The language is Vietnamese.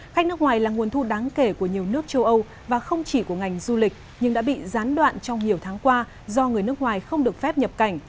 khách nước ngoài là nguồn thu đáng kể của nhiều nước châu âu và không chỉ của ngành du lịch nhưng đã bị gián đoạn trong nhiều tháng qua do người nước ngoài không được phép nhập cảnh